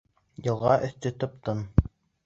Йылға өҫтө тып-тын.